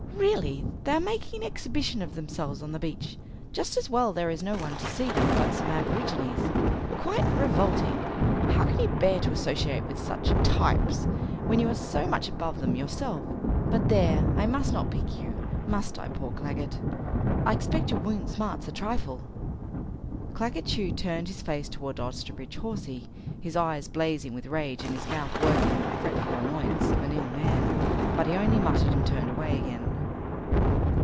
"Really. They are making an exhibition of themselves on the beach. Just as well there is no one to see but some aborigines. Quite revolting. How can you bear to associate with such types, when you are so much above them yourself but there, I must not pique you, must I, poor Claggett? I expect your wound smarts a trifle?" Claggett Chew turned his face toward Osterbridge Hawsey, his eyes blazing with rage and his mouth working with the fretful annoyance of an ill man, but he only muttered and turned away again.